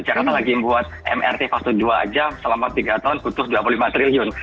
jakarta lagi yang buat mrt waktu dua jam selama tiga tahun utuh dua puluh lima triliun